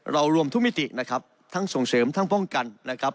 รวมทุกมิตินะครับทั้งส่งเสริมทั้งป้องกันนะครับ